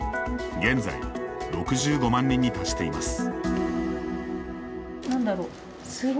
現在６５万人に達しています。